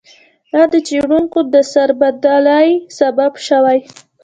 دا د څېړونکو د سربدالۍ سبب شوی.